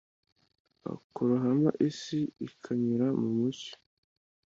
akarohama isi akanyura mu mucyo